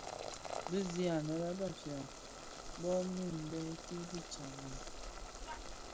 Bi sig anë lè Bafia bomid bè terri tsamèn.